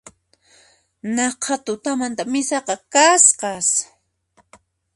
Naqha tutamanta misaqa kasqas